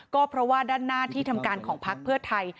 ก็เพราะว่าด้านหน้าที่ทำการของพักเพื่อไทย